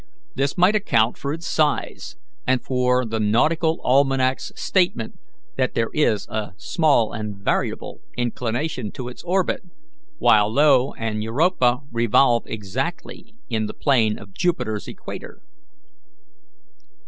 This might account for its size, and for the Nautical Almanac's statement that there is a 'small and variable' inclination to its orbit, while Io and Europa revolve exactly in the plane of Jupiter's equator."